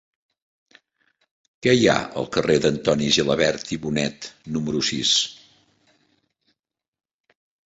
Què hi ha al carrer d'Antoni Gilabert i Bonet número sis?